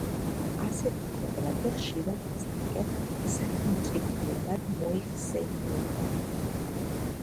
ასეთი ქვეყნები ხშირად ცალკე სახელმწიფოებად მოიხსენიება.